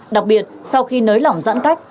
đặc biệt sau khi nới lỏng giãn cách